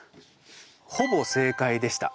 ほぼ正解でした。